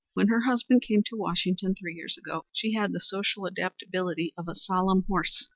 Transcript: When her husband came to Washington three years ago she had the social adaptability of a solemn horse.